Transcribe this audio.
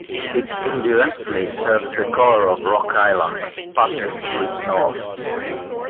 It indirectly serves the core of Rock Island, passing to its north.